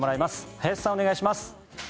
林さんお願いします。